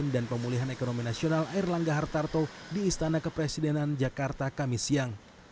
dan pemulihan ekonomi nasional air langga hartarto di istana kepresidenan jakarta kamis siang